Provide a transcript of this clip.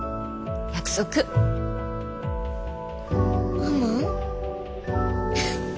ママ？